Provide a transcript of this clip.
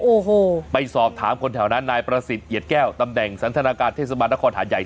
โอ้โหไปสอบถามคนแถวนั้นนายประสิทธิ์เอียดแก้วตำแหน่งสันทนาการเทศบาลนครหาดใหญ่